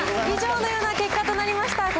以上のような結果となりました。